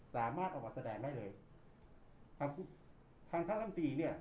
สามารถเอาอันแสดงให้เลยท่านท่านลำตีเนี้ย